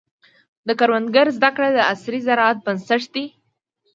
د کروندګرو زده کړه د عصري زراعت بنسټ دی.